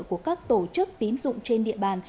của các tổ chức tín dụng trên địa bàn